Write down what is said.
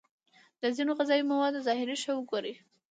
د ځینو غذايي موادو ظاهر ښه وگورئ.